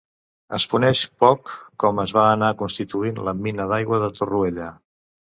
Es coneix poc com es va anar constituït la mina d'aigua de Torroella.